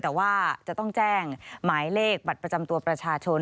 แต่ว่าจะต้องแจ้งหมายเลขบัตรประจำตัวประชาชน